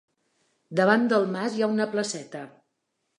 Davant del mas hi ha una placeta.